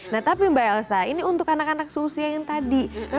nah tapi mbak elsa ini untuk anak anak seusia yang tadi